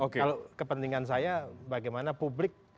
kalau kepentingan saya bagaimana publik